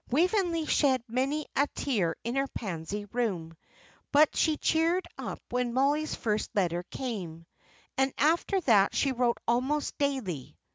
Waveney shed many a tear in her Pansy Room. But she cheered up when Mollie's first letter came. And after that she wrote almost daily.